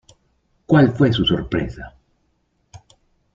Cual fue su sorpresa.